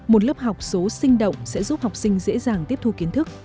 một lớp học số sinh động sẽ giúp học sinh dễ dàng tiếp thu kiến thức